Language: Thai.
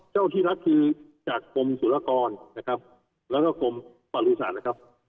เจ้าที่รัฐคือจากกลมสุรกรนะครับแล้วก็กลมบริษัทนะครับ